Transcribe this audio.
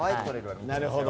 なるほど。